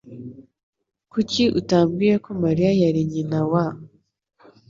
Kuki utambwiye ko Mariya yari nyina wa ?